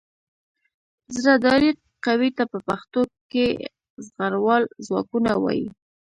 زرهدارې قوې ته په پښتو کې زغروال ځواکونه وايي.